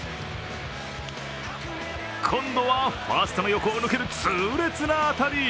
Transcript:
今度はファーストの横を抜ける痛烈な当たり。